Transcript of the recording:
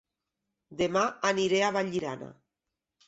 Dema aniré a Vallirana